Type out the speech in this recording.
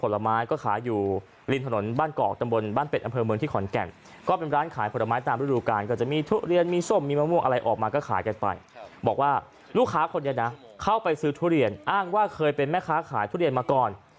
ลูกค้าคนนี้เข้าไปซื้อทุเรียนอ้างว่าเคยเป็นแม่ค้าขายทุเรียนมาก่อน